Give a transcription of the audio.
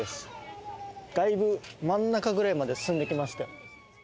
だいぶ真ん中ぐらいまで進んできましたよ。